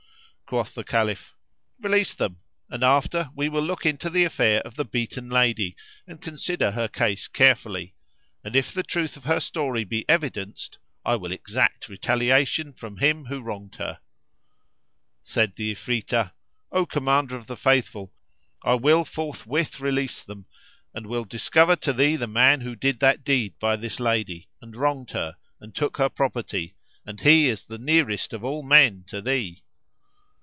Quoth the Caliph, "Release them and after we will look into the affair of the beaten lady and consider her case carefully; and if the truth of her story be evidenced I will exact retaliation[FN#352] from him who wronged her." Said the Ifritah, "O Commander of the Faithful, I will forthwith release them and will discover to thee the man who did that deed by this lady and wronged her and took her property, and he is the nearest of all men to thee!"